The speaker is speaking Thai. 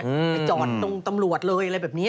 ไปจอดตรงตำรวจเลยอะไรแบบนี้